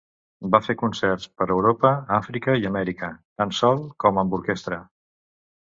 Va fer concerts per Europa, Àfrica i Amèrica, tant sol com amb orquestra.